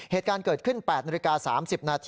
เหตุการณ์เกิดขึ้น๘น๓๐น